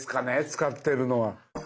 使ってるのは。